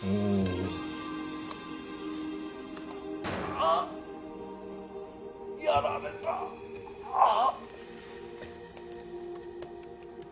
「あっやられた。ああ」